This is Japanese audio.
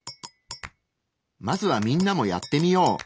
まずはみんなもやってみよう。